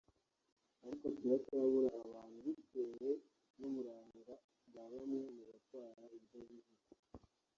ariko turacyabura abantu bitewe n’uburangare bwa bamwe mu batwara ibinyabiziga